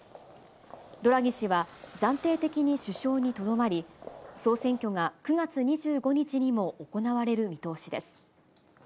ドラギ氏は、暫定的に首相にとどまり、総選挙が９月２５日にも行われる見通しです。